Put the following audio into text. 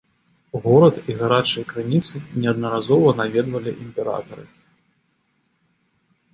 Горад і гарачыя крыніцы неаднаразова наведвалі імператары.